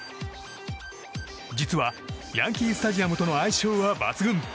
実はヤンキー・スタジアムとの相性は抜群。